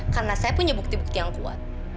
karena saya punya bukti bukti yang kuat